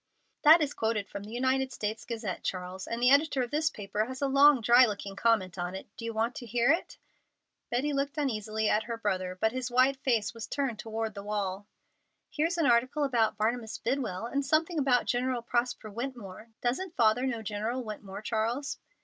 "That is quoted from the United States Gazette, Charles, and the editor of this paper has a long, dry looking comment on it. Do you want to hear it?" Betty looked uneasily at her brother, but his white face was turned toward the wall. "Here's an article about Barnabas Bidwell, and something about General Prosper Wetmore. Doesn't father know General Wetmore, Charles?"